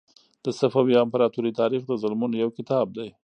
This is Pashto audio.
د صفوي امپراطورۍ تاریخ د ظلمونو یو کتاب دی.